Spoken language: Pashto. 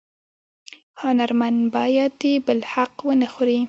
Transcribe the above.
هنرمن باید د بل حق ونه خوري